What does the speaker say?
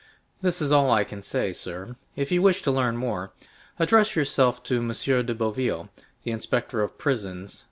This is all I can say, sir; if you wish to learn more, address yourself to M. de Boville, the inspector of prisons, No.